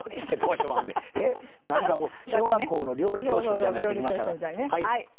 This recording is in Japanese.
小学校の料理教室みたいになってきました。